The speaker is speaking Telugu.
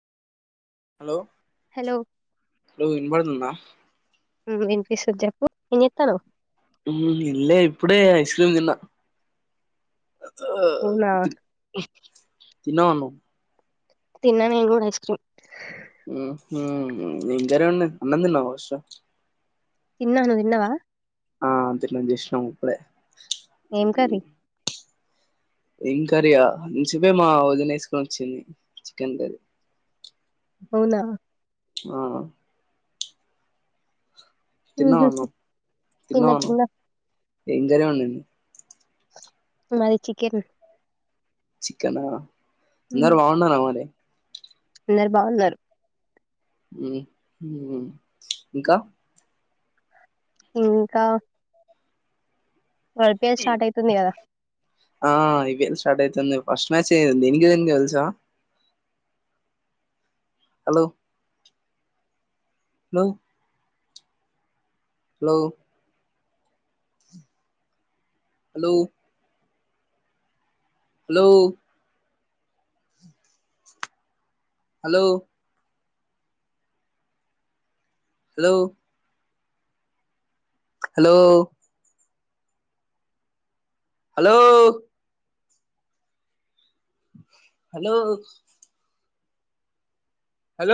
హలో హలో హలో వినబడుతుందా విన్పి సజాపు ఇని ఎత్తాన ఇల్ ఇప్పుడే ఐస్ క్రీమ్ తిన్న అవునా తిన అను తిన్నాను ఎల్ం ఐస్ క్రీమ్ ఎకర ఉ అన్నదిన్నా కొష తిన్నావ ను తిన్నవా ఆ అంతం చేసినాం ఇప్పుడే ఏం కర్రీ ఏం కరీయా చూపే మా వదిిన వేసుకొని వచ్చింది చికెన్ కర్రీ అవునా ఆ తిన్నావన్నా తిన్న తిన్నావాను తిన్న ఏంకరన్నాడి మది చికెన్ చికెనా అందరు బాగున్నారు మరి అన్నారు బాగున్నారు ఉ ఊ ఇంకా ఇంకా ఐ పి యల్ స్టార్ట్ ఐతుంది కదా ఆ ఐ పి ఎల్ స్టార్ట్ ఐతుంది ఫస్ట్ మ్యాచ్ దేనికి దేనికో తెలుసా hello hello hello hello hello hello hello hello hello hello hello